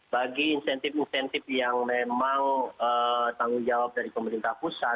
bagi insentif insentif yang memang tanggung jawab dari pemerintah pusat